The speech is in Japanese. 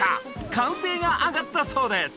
歓声があがったそうです